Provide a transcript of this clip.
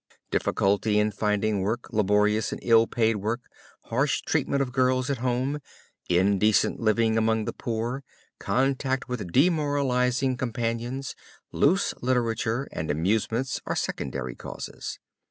Difficulty in finding work, laborious and ill paid work, harsh treatment of girls at home, indecent living among the poor, contact with demoralizing companions, loose literature and amusements are secondary causes.